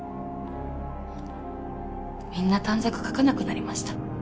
みんな短冊書かなくなりました。